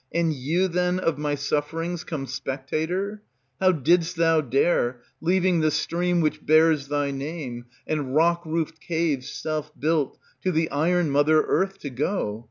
And you, then, of my sufferings Come spectator? How didst thou dare, leaving The stream which bears thy name, and rock roofed Caves self built, to the iron mother Earth to go?